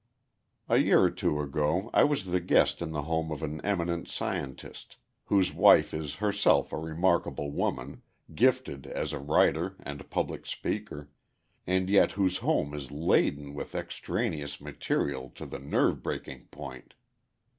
A year or two ago I was the guest in the home of an eminent scientist, whose wife is herself a remarkable woman, gifted as a writer and public speaker, and yet whose home is laden with extraneous material to the nerve breaking point.